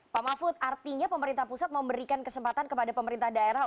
pak mahfud artinya pemerintah pusat memberikan kesempatan kepada pemerintah daerah